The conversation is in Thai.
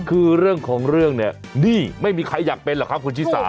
คือเรื่องของเรื่องเนี่ยนี่ไม่มีใครอยากเป็นหรอกครับคุณชิสา